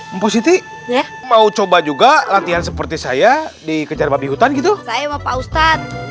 empo sittie mau coba juga latihan seperti saya dikejar babi hutan gitu saya entered